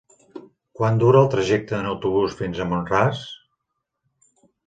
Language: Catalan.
Quant dura el trajecte en autobús fins a Mont-ras?